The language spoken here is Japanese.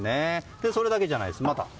それだけじゃないです。